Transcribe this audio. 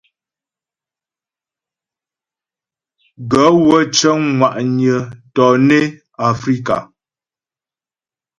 Gaə̂ wə́ cə́ŋ ŋwà'nyə̀ tɔnə Afrikà.